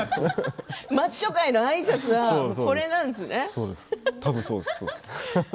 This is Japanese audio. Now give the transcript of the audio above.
マッチョ界のあいさつなんですね。